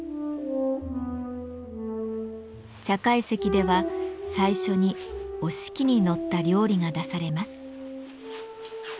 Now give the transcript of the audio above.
茶懐石では最初に折敷に載った料理が出されます。